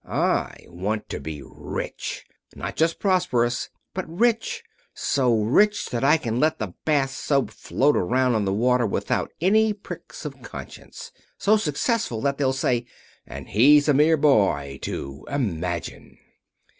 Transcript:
I want to be rich! Not just prosperous, but rich! So rich that I can let the bath soap float around in the water without any pricks of conscience. So successful that they'll say, 'And he's a mere boy, too. Imagine!'"